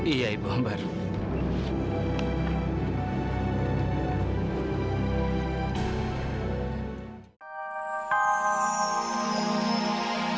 iya kan dokter